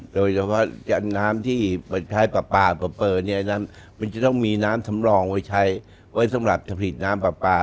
โดยเฉพาะน้ำที่ใช้ปลาปลาเนี่ยมันจะต้องมีน้ำสำรองไว้ใช้ไว้สำหรับจะผลิตน้ำปลาปลา